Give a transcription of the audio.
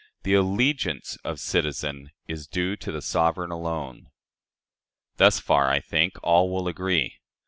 The ALLEGIANCE of the citizen is due to the sovereign alone. Thus far, I think, all will agree.